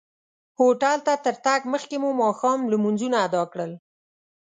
هوټل ته تر تګ مخکې مو ماښام لمونځونه ادا کړل.